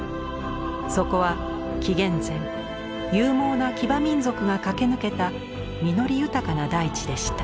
そこは紀元前勇猛な騎馬民族が駆け抜けた実り豊かな大地でした。